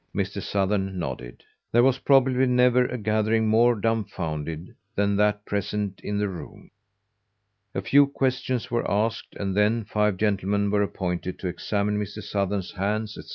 Mr. Sothern nodded. There was probably never a gathering more dumbfounded than that present in the room. A few questions were asked, and then five gentlemen were appointed to examine Mr. Sothern's hands, etc.